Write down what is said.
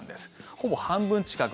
ほぼ半分近く。